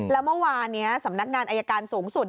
แล้วเมื่อวานนี้สำนักงานอายการสูงสุด